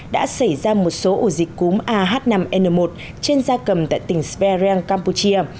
đã xảy ra một số ổ dịch cúm a h năm n một trên da cầm tại tỉnh svereng campuchia